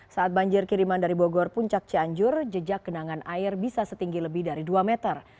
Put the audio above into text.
saat banjir kiriman dari bogor puncak cianjur jejak genangan air bisa setinggi lebih dari dua meter